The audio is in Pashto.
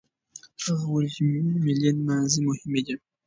هغه وويل چې ملي نمانځنې مهمې دي.